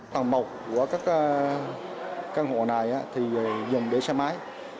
phần mộc của các căn hộ này dùng để xe máy